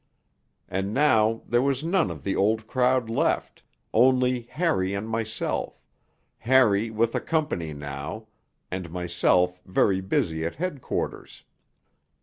And now there was none of the Old Crowd left, only Harry and myself, Harry with a company now, and myself very busy at Headquarters.